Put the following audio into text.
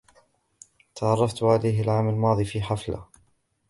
تعرفت عليه العام الماضي في حفلة